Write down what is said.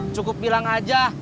cukup bilang aja